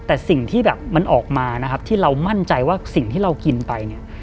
แต่สิ่งที่แบบมันออกมานะครับที่เรามั่นใจว่าสิ่งที่เรากินไปเนี่ย